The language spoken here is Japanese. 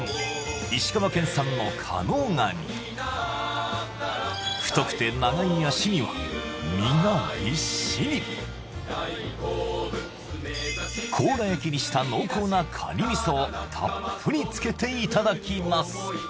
石川県産の加能ガニ太くて長い脚には身がぎっしり甲羅焼きにした濃厚なカニ味噌をたっぷりつけていただきます